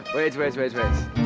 tunggu tunggu tunggu